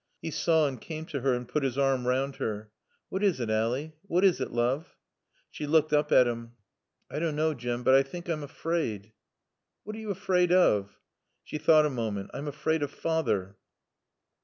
He saw and came to her and put his arm round her. "What is it, Ally? What is it, loove?" She looked up at him. "I don't know, Jim. But I think I'm afraid." "What are you afraid of?" She thought a moment. "I'm afraid of father."